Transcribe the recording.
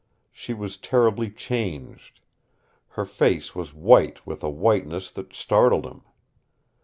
She was terribly changed. Her face was white with a whiteness that startled him.